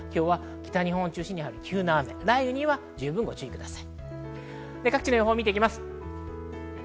北日本を中心に急な雷雨にはご注意ください。